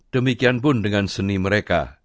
demikian pun dengan seni mereka